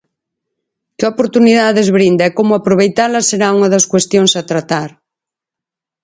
Que oportunidades brinda e como aproveitalas será unha das cuestións a tratar.